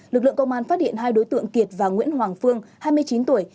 lực lượng công an phát hiện hai đối tượng kiệt và nguyễn hoàng phương hai mươi chín tuổi